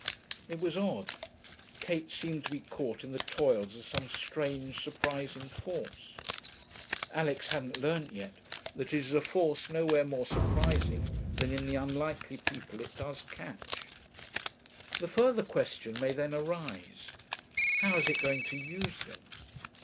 It was odd. Kate seemed to be caught in the toils of some strange, surprising force. Alix hadn't learnt yet that it is a force nowhere more surprising than in the unlikely people it does catch. The further question may then arise, how is it going to use them?